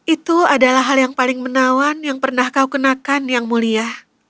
itu adalah hal yang paling menawan yang pernah kau kenakan yang mulia